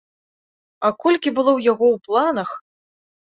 А колькі было ў яго ў планах!